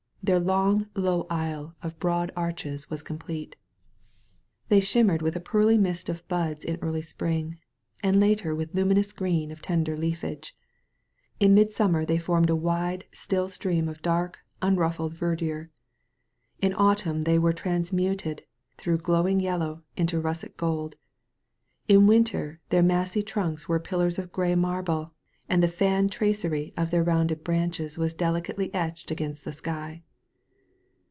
Their long, low aisle of broad arches was complete. They shimmered with a pearly mist of buds in early spring and later with luminous green of tender leafage. In mid summer they formed a wide, still stream of dark, unruffled verdure; in autumn they were trans muted through glowing yellow into russet gold; in winter their massy trunks were pillars of gray marble and the fan tracery of their rounded branches was delicately etched against the sky.